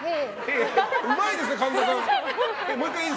うまいですね、神田さん。